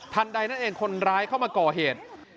ใดนั่นเองคนร้ายเข้ามาก่อเหตุ